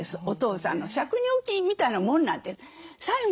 お父さんの借入金みたいなもんなんです。